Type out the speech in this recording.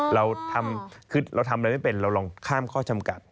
เราทำคือเราทำอะไรไม่เป็นเราลองข้ามข้อจำกัด